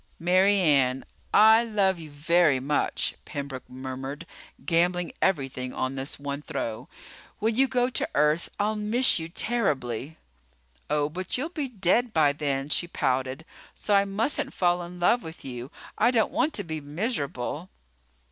"Mary Ann, I love you very much," Pembroke murmured, gambling everything on this one throw. "When you go to Earth I'll miss you terribly." "Oh, but you'll be dead by then," she pouted. "So I mustn't fall in love with you. I don't want to be miserable."